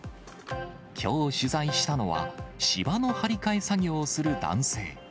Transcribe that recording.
きょう取材したのは、芝の張り替え作業をする男性。